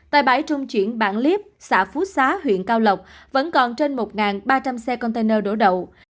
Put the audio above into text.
tại bãi trung chuyển bản líp xã phú xá huyện cao lộc vẫn còn trên một ba trăm linh xe container đổ đầu